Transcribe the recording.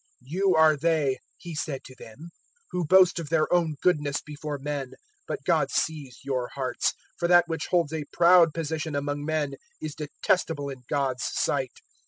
016:015 "You are they," He said to them, "who boast of their own goodness before men, but God sees your hearts; for that which holds a proud position among men is detestable in God's sight.